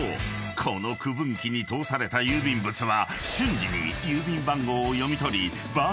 この区分機に通された郵便物は］